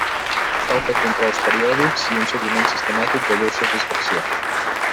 Cal fer controls periòdics i un seguiment sistemàtic de llur satisfacció.